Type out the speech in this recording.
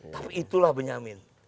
tapi itulah benyamin